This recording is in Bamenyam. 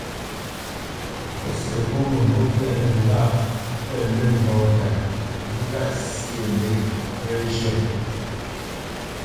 Pǔsi pô mə̂mbû pɛ́ʼnə ŋgâʼ pə lə̂ mbóta, nzí ŋgâʼ syê lě pó zhə́.